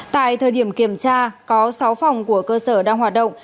tại thời điểm kiểm tra có sáu phòng của cơ sở đang hoạt động